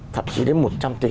thậm chí đến một trăm linh tỷ